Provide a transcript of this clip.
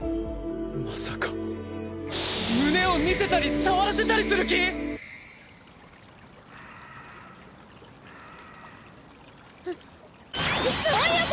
まさか胸を見せたり触らせたりする気⁉カァーカァーそ